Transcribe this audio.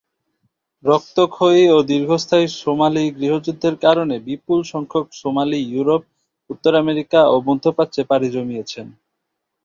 রক্তক্ষয়ী ও দীর্ঘস্থায়ী সোমালি গৃহযুদ্ধের কারণে বিপুল সংখ্যক সোমালি ইউরোপ, উত্তর আমেরিকা ও মধ্যপ্রাচ্যে পাড়ি জমিয়েছেন।